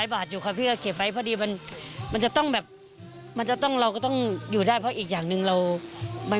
กี่๑๐บาทไปตั้งแต่๒๐๑๙ได้เข้า๒๐ไปเรียบร้อย